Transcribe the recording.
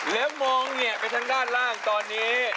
เลมองใหญ่ไปทั้งด้านล่างตอนนี้